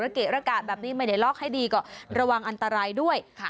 เกะระกะแบบนี้ไม่ได้ล็อกให้ดีก็ระวังอันตรายด้วย